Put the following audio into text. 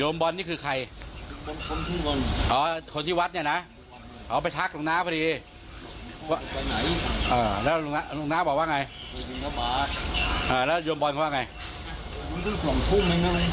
เหมือนอยู่ช่วยทาศรีวัดเห็นไหม